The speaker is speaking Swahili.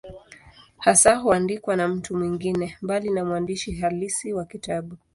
Hasa huandikwa na mtu mwingine, mbali na mwandishi halisi wa kitabu.